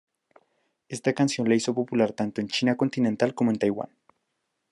Esta canción la hizo popular tanto en la China continental como en Taiwán.